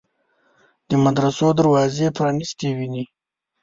د مدرسو دروازې پرانیستې ویني.